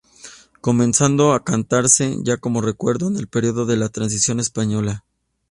Comenzando a cantarse, ya como recuerdo, en el periodo de la transición española.